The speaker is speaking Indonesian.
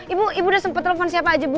ibu ibu udah sempat telepon siapa aja bu